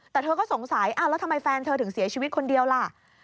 แต่เธอก็สงสัยแล้วทำไมแฟนเธอถึงเสียชีวิตคนเดียวล่ะ